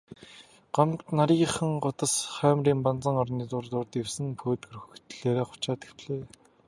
Гомбо нарийхан гудас хоймрын банзан орны урдуур дэвсэн пөөдгөр хөх дээлээрээ хучаад хэвтлээ.